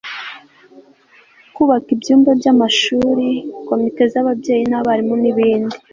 kubaka ibyumba by'amashuri, komite z'ababyeyi n'abarimu n'ibindi